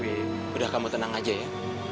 udah kamu tenang aja ya